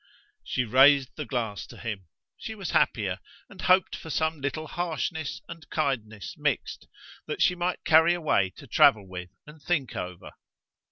She raised the glass to him. She was happier and hoped for some little harshness and kindness mixed that she might carry away to travel with and think over.